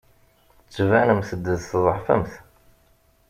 Tettbanemt-d tḍeɛfemt.